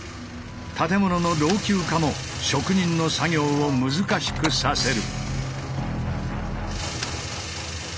建物の老朽化も職人の作業を難しくさせる。